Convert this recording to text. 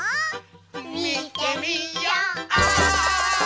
みてみよう！